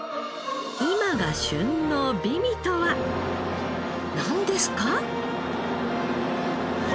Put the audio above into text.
今が旬の美味とはなんですか？